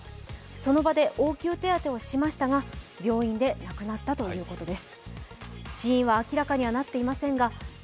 その場で応急手当をしましたが病院で亡くなったということです。